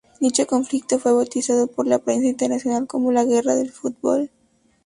Dicho conflicto fue bautizado por la prensa internacional como la "Guerra del Fútbol".